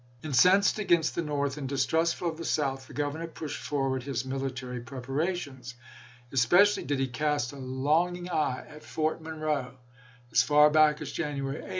Incensed against the North and distrustful of the South, the Governor pushed forward his military preparations. Especially did he cast a Governor Letcher, VIKGINIA 421 longing eye at Fort Monroe. "As far back as ch. xxv.